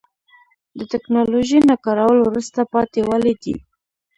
د تکنالوژۍ نه کارول وروسته پاتې والی دی.